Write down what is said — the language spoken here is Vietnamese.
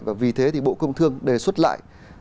và vì thế thì bộ công thương đề xuất lại